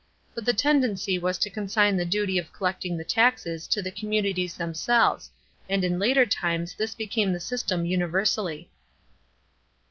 But the tendency was to consign the duty of collecting the taxes to the communities them selves, and in later times this became the system universally.